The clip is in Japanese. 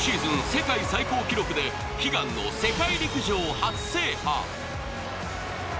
世界最高記録で悲願の世界陸上初制覇。